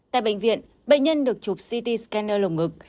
tại bệnh viện bệnh nhân được chụp ct scanner lồng ngực